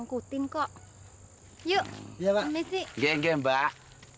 gak usah saya juga mau bantuin mbak